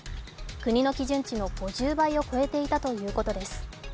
国の基準値の５０倍を超えていたということです